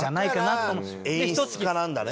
だから演出家なんだね。